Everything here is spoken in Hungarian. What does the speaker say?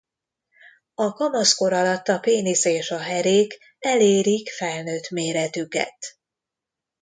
A kamaszkor alatt a pénisz és a herék elérik felnőtt méretüket.